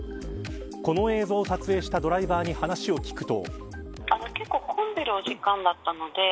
この映像を撮影したドライバーに話を聞くと。